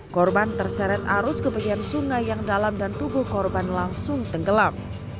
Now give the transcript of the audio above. korban terseret arus ke bagian sungai yang dalam dan tubuh korban langsung tenggelam